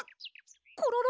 コロロ？